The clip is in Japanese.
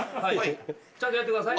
ちゃんとやってください。